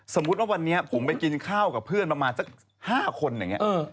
สมมุติว่าวันนี้ผมไปกินข้าวกับเพื่อนประมาณสัก๕คนอย่างนี้